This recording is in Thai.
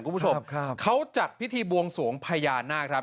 คุณผู้ชมครับเขาจัดพิธีบวงสวงพญานาคครับ